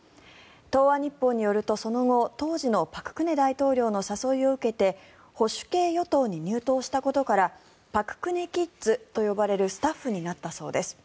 東亜日報によると、その後当時の朴槿惠大統領の誘いを受けて保守系与党に入党したことから朴槿惠キッズと呼ばれるスタッフになったそうです。